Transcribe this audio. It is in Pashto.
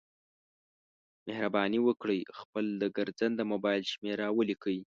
مهرباني وکړئ خپل د ګرځنده مبایل شمېره ولیکئ